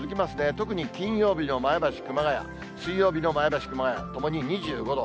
特に金曜日の前橋、熊谷、水曜日の前橋、熊谷、ともに２５度。